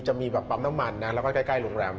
จะมีแบบปั๊มน้ำมันนะแล้วก็ใกล้โรงแรม